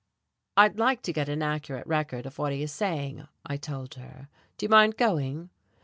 "I'd like to get an accurate record of what he is saying," I told her. "Do you mind going?"